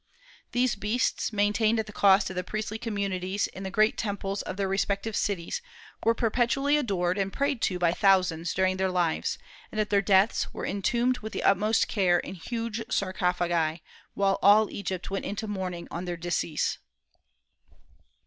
These beasts, maintained at the cost of the priestly communities in the great temples of their respective cities, were perpetually adored and prayed to by thousands during their lives, and at their deaths were entombed with the utmost care in huge sarcophagi, while all Egypt went into mourning on their decease."